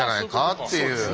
っていう。